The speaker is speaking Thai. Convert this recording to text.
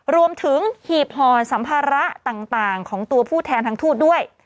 หีบห่อสัมภาระต่างของตัวผู้แทนทางทูตด้วย